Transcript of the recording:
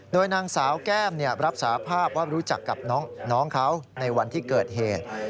โดยนางสาวแก้มรับสาภาพว่ารู้จักกับน้องเขาในวันที่เกิดเหตุ